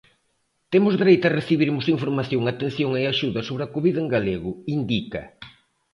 "Temos dereito a recibirmos información, atención e axuda sobre a Covid en galego", indica.